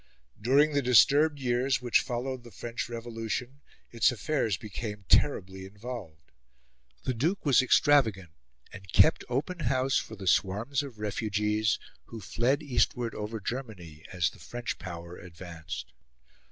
During the disturbed years which followed the French Revolution, its affairs became terribly involved. The Duke was extravagant, and kept open house for the swarms of refugees, who fled eastward over Germany as the French power advanced.